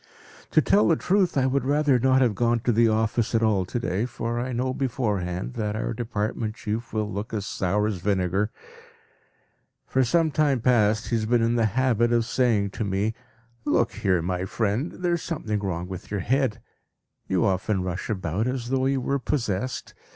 To tell the truth, I would rather not have gone to the office at all to day, for I know beforehand that our department chief will look as sour as vinegar. For some time past he has been in the habit of saying to me, "Look here, my friend; there is something wrong with your head. You often rush about as though you were possessed.